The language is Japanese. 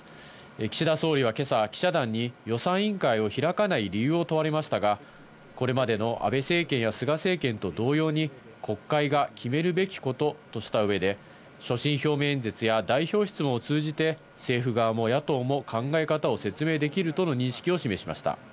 岸田総理は今朝、記者団に予算委員会を開かない理由を問われましたが、これまでの安倍政権や菅政権と同様に国会が決めるべきこととした上で所信表明演説や代表質問を通じて政府側も野党も考え方を説明できるとの認識を示しました。